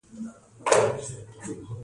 د سرچینو کارول پکار دي